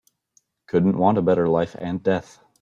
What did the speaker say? Couldn't want a better life and death.